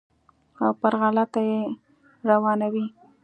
او پر غلطه یې روانوي.